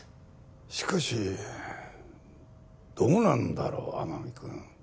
しかしどうなんだろう天海君